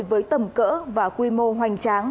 với tầm cỡ và quy mô hoành tráng